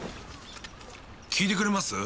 聞いてくれます？